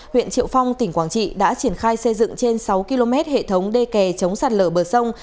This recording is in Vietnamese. huyện triệu phong tỉnh quảng trị đã triển khai xây dựng trên sáu km hệ thống đê kè chống sạt lở bờ sông